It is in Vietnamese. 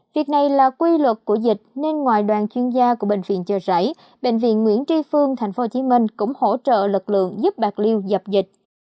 việc này là quy luật của dịch nên ngoài đoàn chuyên gia của bệnh viện chợ rẫy bệnh viện nguyễn tri phương tp hcm cũng hỗ trợ lực lượng giúp bạc liêu dập dịch